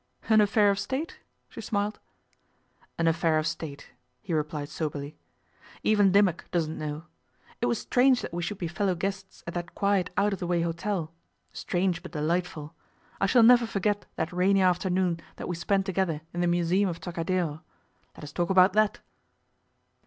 'An affair of State?' she smiled. 'An affair of State,' he replied soberly. 'Even Dimmock doesn't know. It was strange that we should be fellow guests at that quiet out of the way hotel strange but delightful. I shall never forget that rainy afternoon that we spent together in the Museum of the Trocadéro. Let us talk about that.